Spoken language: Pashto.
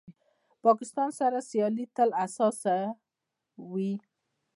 پاکستان سره سیالي تل حساسه وي.